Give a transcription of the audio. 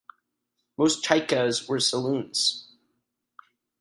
Most Chaikas were saloons.